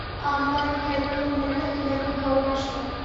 আমার কেন এমন মনে হয় তুমি আমাকে ভালোবাসো না?